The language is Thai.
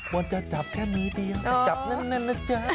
วันจะจับแค่มือเดียวจับนั้นนะจ๊ะ